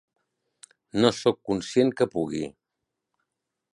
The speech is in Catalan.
No sóc conscient que pugui.